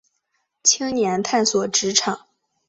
青年探索职场